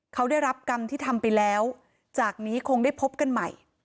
เขาได้รับกรรมที่ทำไปแล้วจากนี้คงได้พบกันใหม่